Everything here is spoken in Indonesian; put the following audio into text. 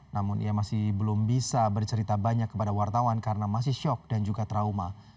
namun ia masih belum bisa bercerita banyak kepada wartawan karena masih syok dan juga trauma